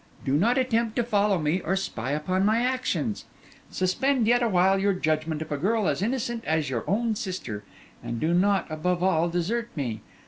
Do not attempt to follow me or spy upon my actions. Suspend yet awhile your judgment of a girl as innocent as your own sister; and do not, above all, desert me.